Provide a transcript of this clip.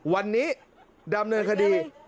วันนี้ดำเนินคดี